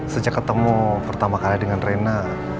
sejak ketemu pertama kali dengan rena